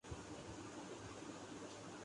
Vietnam کے سفیر کا اسلام باد چیمبر کامرس کا دورہ